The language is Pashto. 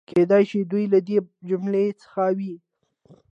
کېدای شي دوی له دې جملې څخه وي.